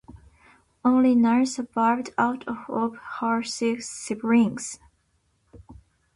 Only nine survived out of her six siblings.